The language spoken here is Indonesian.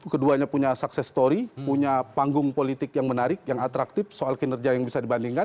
keduanya punya sukses story punya panggung politik yang menarik yang atraktif soal kinerja yang bisa dibandingkan